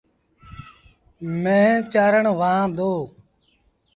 مينهن چآرڻ وهآن دو۔